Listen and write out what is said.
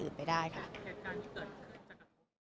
แต่เสียหายไปถึงบุคคลที่ไม่เกี่ยวข้อง